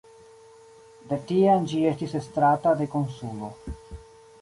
De tiam ĝi estis estrata de konsulo.